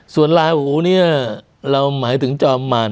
ส่วนลาหูเราหมายถึงจอมมัน